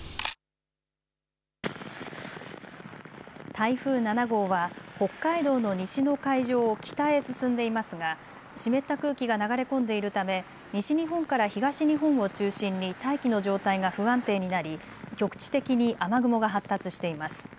台風７号は北海道の西の海上を北へ進んでいますが湿った空気が流れ込んでいるため西日本から東日本を中心に大気の状態が不安定になり局地的に雨雲が発達しています。